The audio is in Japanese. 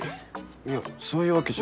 いやそういうわけじゃ。